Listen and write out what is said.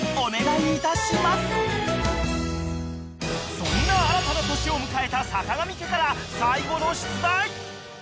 ［そんな新たな年を迎えた坂上家から最後の出題］